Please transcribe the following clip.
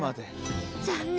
残念！